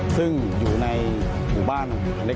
ซึ่งอยู่ในหมู่บ้าน